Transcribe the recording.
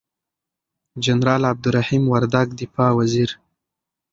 جنرال عبدالرحیم وردگ دفاع وزیر،